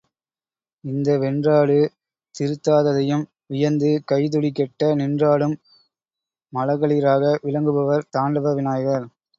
இந்த வென்றாடு திருத்தாதையும், வியந்து கை துடி கெட்ட, நின்றாடும் மழகளிறாக விளங்குபவர் தாண்டவ விநாயகர்.